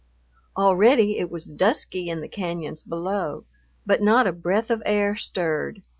Already it was dusky in the cañons below, but not a breath of air stirred.